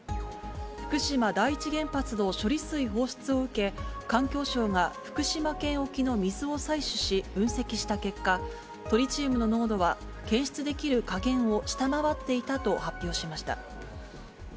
福島第一原発の処理水放出を受け、環境省が福島県沖の水を採取し分析した結果、トリチウムの濃度は検出できる下限を下回っていたと発表しました。